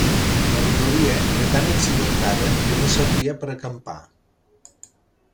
La rodalia era tan accidentada que no servia per acampar.